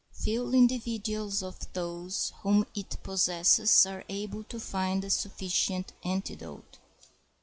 Few indi viduals of those whom it possesses are able to find a sufficient antidote.